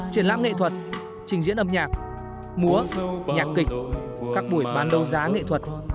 triển lãm nghệ thuật trình diễn âm nhạc múa nhạc kịch các buổi bán đấu giá nghệ thuật